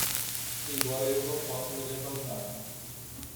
Embora eu não possa me levantar